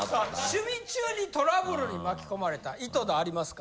趣味中にトラブルに巻き込まれた井戸田ありますか？